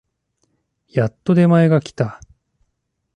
やっと出前が来た